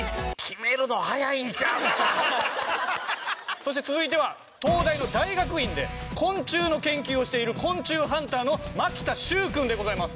そして続いては東大の大学院で昆虫の研究をしている昆虫ハンターの牧田習君でございます。